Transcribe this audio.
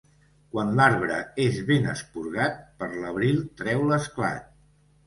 Quan l'arbre és ben esporgat, per l'abril treu l'esclat.